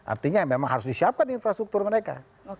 artinya memang harus disiapkan infrastruktur mereka